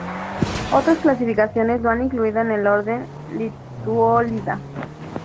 Otras clasificaciones lo han incluido en el orden Lituolida.